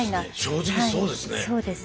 正直そうですね。